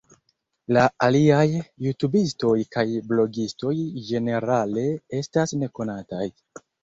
La aliaj jutubistoj kaj blogistoj ĝenerale estas nekonataj.